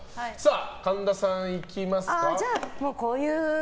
神田さん、いきますか。